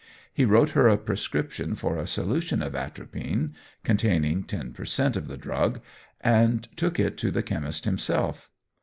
He wrote her a prescription for a solution of atropine, containing ten per cent. of the drug, and took it to the chemist himself.